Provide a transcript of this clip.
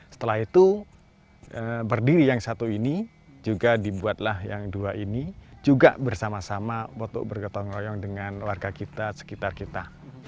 setelah itu berdiri yang satu ini juga dibuatlah yang dua ini juga bersama sama untuk bergotong royong dengan warga kita sekitar kita